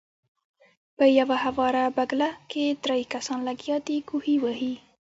پۀ يوه هواره بګله کښې درې کسان لګيا دي کوهے وهي